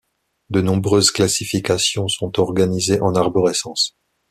De nombreuses classifications sont organisées en arborescence.